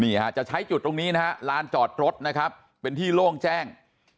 นี่ฮะจะใช้จุดตรงนี้นะฮะลานจอดรถนะครับเป็นที่โล่งแจ้ง